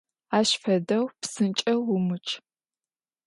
Aş fedeu psınç'eu vumıçç!